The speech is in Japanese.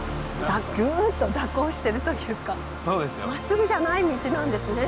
ぐっと蛇行してるというかまっすぐじゃない道なんですね。